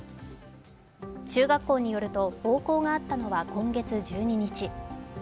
中学校によると暴行があったのは今月１２日。